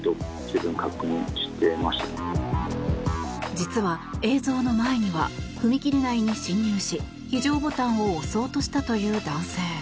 実は映像の前には踏切内に侵入し非常ボタンを押そうとしたという男性。